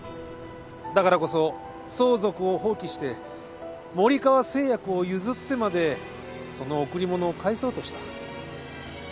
だからこそ相続を放棄して森川製薬を譲ってまでその贈り物を返そうとした。